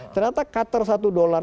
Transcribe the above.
ternyata cutter satu dolar